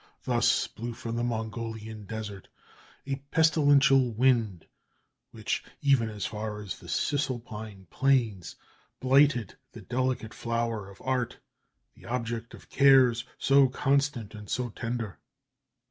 Thus blew from the Mongolian desert a pestilential wind which, even as far as the Cisalpine plains, blighted the delicate flower of art, the object of cares so constant and so tender."